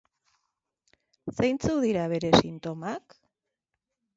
Zeintzuk dira bere sintomak?